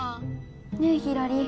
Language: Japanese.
ねえひらり。